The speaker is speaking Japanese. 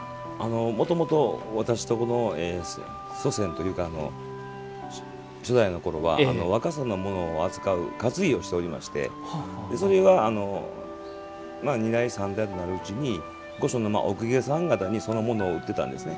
もともと、私のところの祖先というか初代のころは若狭のものを扱うかつぎをしておりましてそれは２代、３代となるうちに御所のお公家さんたちにそのものを売ってたんですね。